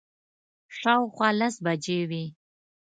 شاوخوا لس بجې وې.